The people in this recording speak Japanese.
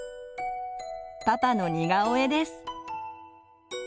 パパの似顔絵です。